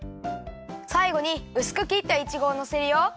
さいごにうすくきったいちごをのせるよ。